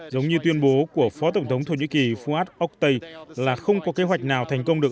giống như tuyên bố của phó tổng thống thổ nhĩ kỳ fuad oktay là không có kế hoạch nào thành công được